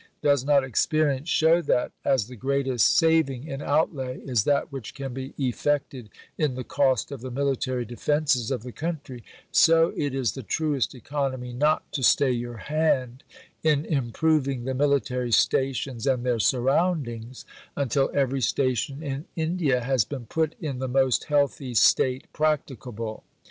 Does not experience show that, as the greatest saving in outlay is that which can be effected in the cost of the military defences of the country, so it is the truest economy not to stay your hand in improving the military stations and their surroundings until every station in India has been put in the most healthy state practicable?